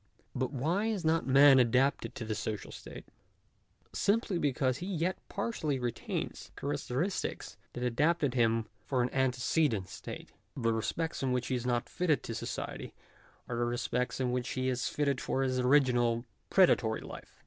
But why is not man adapted to the social state ? Simply because he yet partially retains the characteristics that adapted him for an antecedent state. The respects in which he is not fitted to society are the respects in which he is fitted for his original predatory life.